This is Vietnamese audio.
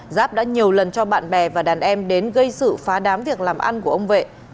giáp đã nhiều lần cho bạn bè và đàn em đến gây sự phá đám việc làm ăn của ông vệ